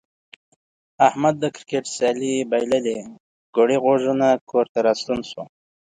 احمد د کرکټ سیالي بایللې کوړی غوږونه کور ته راستون شو.